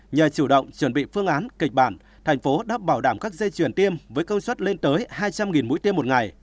nhờ chủ động chuẩn bị phương án kịch bản thành phố đã bảo đảm các dây chuyển tiêm với công suất lên tới hai trăm linh mũi tiêm một ngày